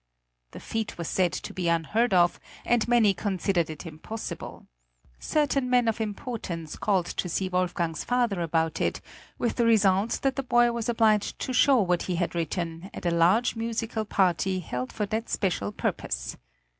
The feat was said to be unheard of, and many considered it impossible. Certain men of importance called to see Wolfgang's father about it, with the result that the boy was obliged to show what he had written at a large musical party held for that special purpose.